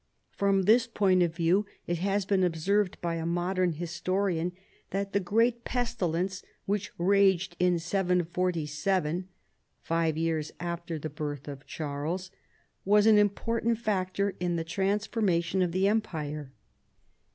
From this point of view it has been observed by a modern historian that the great pestilence which raged in T47 (five years after the birth of Charles) was an important factor in the transformation of the empire.